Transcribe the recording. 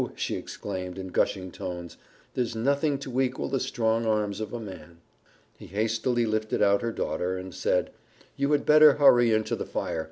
she exclaimed, in gushing tones, "there's nothing to equal the strong arms of a man." He hastily lifted out her daughter, and said, "You had getter hurry in to the fire.